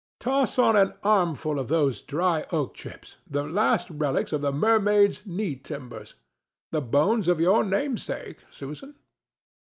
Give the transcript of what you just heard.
Toss on an armful of those dry oak chips, the last relicts of the Mermaid's knee timbers—the bones of your namesake, Susan.